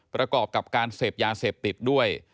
ประกอบกับการเสพยาเสพติดด้วย